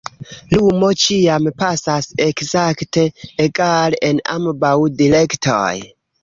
Lumo ĉiam pasas ekzakte egale en ambaŭ direktoj.